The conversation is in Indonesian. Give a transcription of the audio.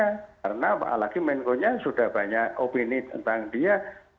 karena apalagi menkonya sudah banyak opini tentang dia